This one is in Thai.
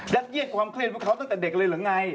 เยียดความเครียดพวกเขาตั้งแต่เด็กเลยหรือไง